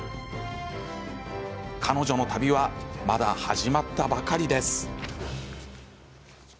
彼女の旅はまだ始まったばかりです。